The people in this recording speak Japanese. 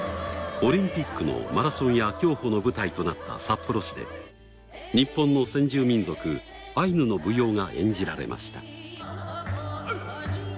オリンピックのマラソンや競歩の舞台となった札幌市で日本の先住民族アイヌの舞踊が演じられました。